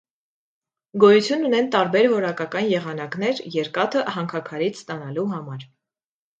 Գոյություն ունեն տարբեր որակական եղանակներ երկաթը հանքաքարից ստանալու համար։